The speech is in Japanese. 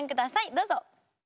どうぞ！